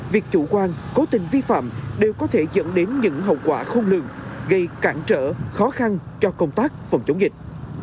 việc chủ quan cố tình vi phạm đều có thể dẫn đến những hậu quả khôn lường gây cản trở khó khăn cho công tác phòng chống dịch